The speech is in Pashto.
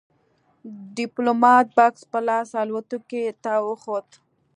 ديپلومات بکس په لاس الوتکې ته وخوت.